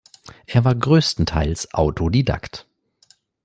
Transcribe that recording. Er war größtenteils Autodidakt.